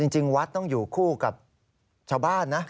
จริงวัดต้องอยู่คู่กับชาวบ้านนะ